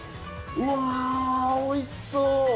うわー、おいしそう。